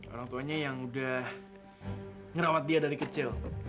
orang tuanya yang udah ngerawat dia dari kecil